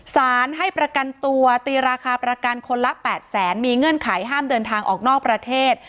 สารให้ประกันตัวตีราคาประกันคนละ๘แสนมีเงื่อนไขห้ามเดินทางออกนอกประเทศ